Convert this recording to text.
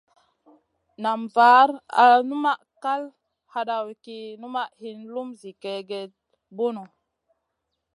Nan var al numaʼ ma kal hadawi ki numaʼ hin lum zi kègèda bunu.